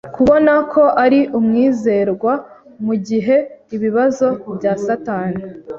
kubona ko ari umwizerwa mu gihe ibibazo bya Satani